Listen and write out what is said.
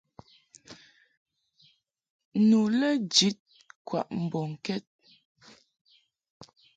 Nu lɛ jid kwaʼ mbɔŋkɛd.